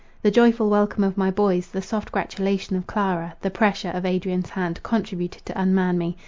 The joyful welcome of my boys, the soft gratulation of Clara, the pressure of Adrian's hand, contributed to unman me.